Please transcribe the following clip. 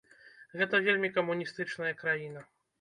Гэта вельмі камуністычная краіна.